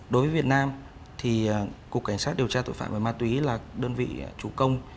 đối với việt nam thì cục cảnh sát điều tra tội phạm về ma túy là đơn vị chủ công